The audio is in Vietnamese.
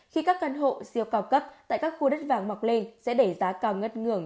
khi các căn hộ siêu cao cấp tại các khu đất vàng mọc lên sẽ đẩy giá cao ngất ngường